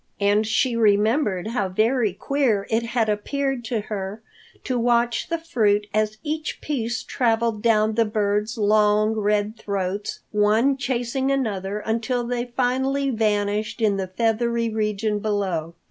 And she remembered how very queer it had appeared to her to watch the fruit as each piece traveled down the birds' long, red throats, one chasing another until they finally vanished in the feathery region below.